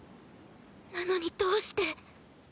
なのにどうして。